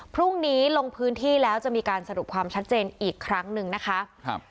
พรุ่งนี้ลงพื้นที่แล้วจะมีการสรุปความชัดเจนอีกครั้งหนึ่งนะคะครับ